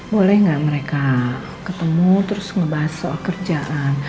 boleh nggak mereka ketemu terus ngebahas soal kerjaan